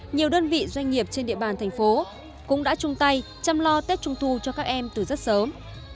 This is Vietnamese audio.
nhiều đơn vị doanh nghiệp trên địa bàn tp hcm cũng đã chung tay chăm lo tiết trung thu cho các em từ rất sớm